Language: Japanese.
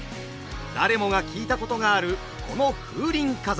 誰もが聞いたことがあるこの「風林火山」。